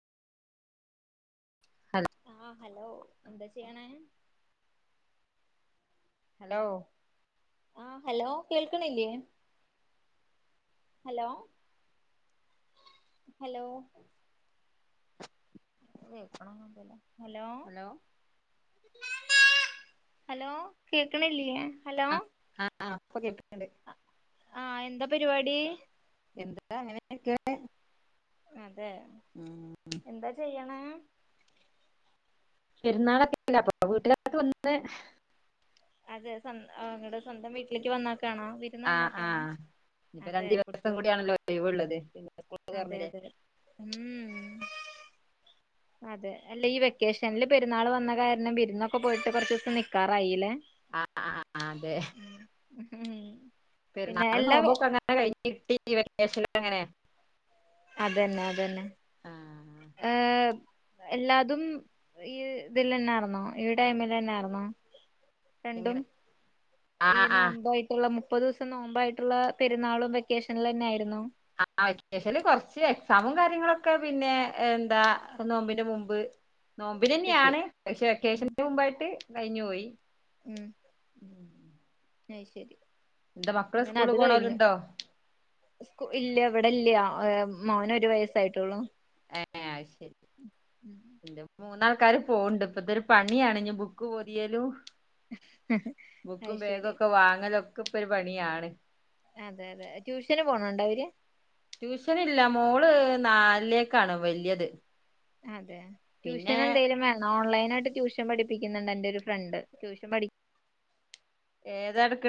hello ആഹ് hello എന്താ ചെയ്യണേ ഹലോ ആഹ് ഹലോ കേൾക്കണില്ലെ ഹലോ ഹലോ കേക്കണന്നുല്ല ഹലോ ഹലോ ഹലോ കേക്കണില്ലെ ആഹ് ആഹ് പ്പ കേക്ക്ന്നുണ്ട് ആഹ് എന്താ പരിപാടി എന്താ അങ്ങനെയക്ക അതെ എന്താ ചെയ്യാണേ പെരുന്നാളൊക്കെല്ല അപ്പൊ വീട്ടിലോട്ട് വന്ന് അതെ നിങ്ങളടെ സ്വന്തം വീട്ടിലേക്ക് വന്നക്കണോ ആഹ് ആഹ് ഇനിപ്പോ രണ്ടു ദിവസം കുട്ടികൾ കൂടി ആണല്ലോ ലീവ് ഉള്ളത് അതെ അതെ ഉം [inaudible] അതെ അല്ലേ ഈ വെക്കേഷനിൽ പെരുന്നാൾ വന്ന കാരണം വിരുന്നൊക്കെ പോയിട്ട് കൊറച്ച്വസം നിക്കാറായില്ലേ ആ ആഹ് അതെ ഉം പിന്നെ പെരുന്നാള് എല്ലാ നോമ്പോക്കെ അങ്ങനെ കഴിഞ്ഞ്കിട്ടി വെേക്കെഷൻ അങ്ങനെ അതന്നെ അതന്നെ ആഹ് ഏഹ് എല്ലാതും ഈ ഇതിൽന്നെർന്നോ ഈ ടൈമിലെന്നാർന്നോ രണ്ടും എങ്ങനെ ഈ ആഹ് ആഹ് നോമ്പ് ഉള്ള മുപ്പത് ദിവസം നോമ്പായിട്ടുള്ള പെരുന്നാളും വെക്കേഷനുംല്ലെ ആയിരുന്നൊ ആ വെക്കേഷൻല് കൊർച്ച് എക്സാമും കാര്യങ്ങളൊക്കെ പിന്നെ എന്താ നോമ്പിന്റെ മുമ്പ് കിട്ടി നോമ്പിനെന്യാണ് പക്ഷെ വെക്കേഷൻ്റെ മുമ്പായിട്ട് കഴിഞ്ഞു പോയി മ്മ് അത് ശരി എന്താ മക്കള് അങ്ങനെ സ്കൂളിൽ അത് കഴിഞ്ഞ് പോണോലുണ്ടോ കു ഇല്ല ഇവടെല്ലി മോനൊര് വയസ്സായിട്ടൊള്ളൂ ഏ ആത് ശെരി ഇന്റെ മൂന്നാൾക്കാര് പോവ്ണ്ട് ഇപ്പതൊരു പണിയാണ് ബുക്ക് പോതിയലും അത് ബുക്കും ശരി ബേഗൊക്കെ വാങ്ങലൊക്കെപ്പൊര് പണിയാണ് അതെ അതെ ട്യൂഷന് പോണ് ഇണ്ടോ അവര് ട്യൂഷനില്ല മോള് നാലിലേക്കാണ് വല്ല്യത് അതെ ട്യൂഷൻ എന്തേലും വേണോ ഓൺലൈനായിട്ട് ട്യൂഷൻ പഠിപ്പിക്ക്ന്ന്ണ്ട് എന്റെ ഒരു ഫ്രണ്ട് ട്യൂഷൻ പഠിക് ഏതാട്ക്